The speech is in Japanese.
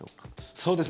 そうですね。